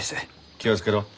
気を付けろ。